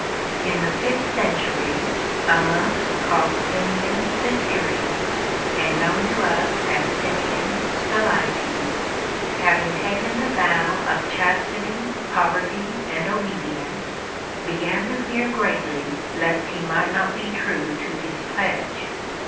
In the Fifth Century a monk called Simeon the Syrian, and known to us as Simeon Stylites, having taken the vow of chastity, poverty and obedience, began to fear greatly lest he might not be true to his pledge.